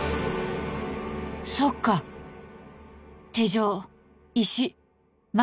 そっか手錠石満